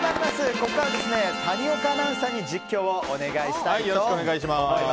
ここからは谷岡アナウンサーに実況をお願いしたいと思います。